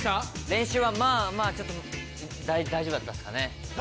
練習はまあまあ大丈夫だったですかね。